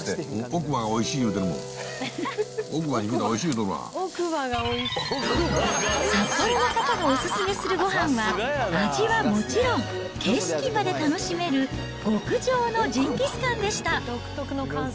奥歯に聞いたら、札幌の方がお勧めするごはんは、味はもちろん、景色まで楽しめる極上のジンギスカンでした。